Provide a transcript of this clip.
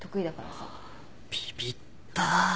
ビビった。